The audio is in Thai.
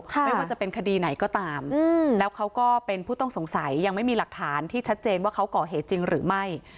ไม่ว่าจะเป็นคดีไหนก็ตามแล้วเขาก็เป็นผู้ต้องสงสัยยังไม่มีหลักฐานที่ชัดเจนว่าเขาก่อเหตุจริงหรือไม่